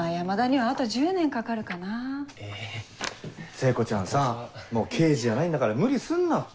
聖子ちゃんさぁもう刑事じゃないんだから無理すんなって。